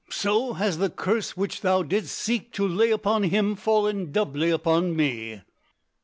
So has the curse which thou didst seek to lay upon him fallen doubly upon me."